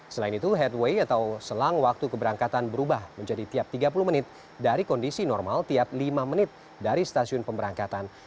selain itu headway atau selang waktu keberangkatan berubah menjadi tiap tiga puluh menit dari kondisi normal tiap lima menit dari stasiun pemberangkatan